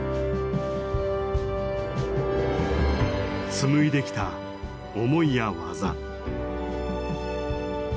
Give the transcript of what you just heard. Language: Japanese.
紡いできた思いや技。